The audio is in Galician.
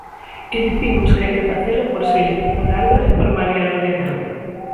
E dicimos que hai que facelo por Silvia, por Alba e por María Lorena.